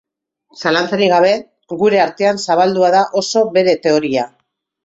Zalantzarik gabe, gure artean zabaldua da oso bere teoria.